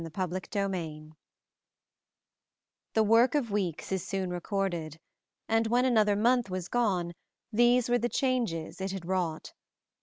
Chapter IV The work of weeks is soon recorded, and when another month was gone these were the changes it had wrought.